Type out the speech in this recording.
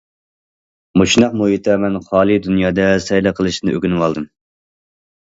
مۇشۇنداق مۇھىتتا مەن خىيالىي دۇنيادا سەيلە قىلىشنى ئۆگىنىۋالدىم.